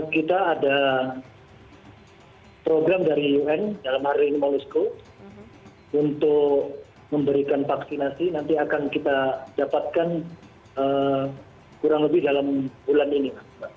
kita ada program dari un dalam hari ini molisco untuk memberikan vaksinasi nanti akan kita dapatkan kurang lebih dalam bulan ini